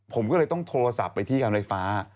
ผมก็เลยต้องโทรศัพท์ไปที่การไฟฟ้า